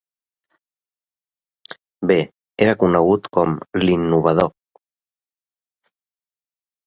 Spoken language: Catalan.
Bee era conegut com "l'innovador".